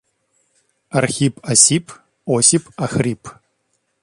Архип осип, Осип охрип.